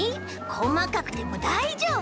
こまかくてもだいじょうぶ。